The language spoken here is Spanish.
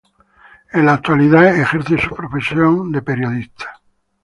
En la actualidad ejerce su profesión de periodista.